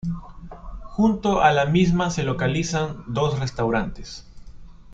Junto a la misma se localizan dos restaurantes.